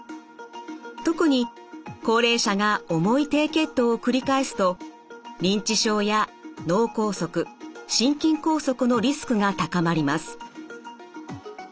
特に高齢者が重い低血糖を繰り返すと認知症や脳梗塞心筋梗塞のリスクが高まります。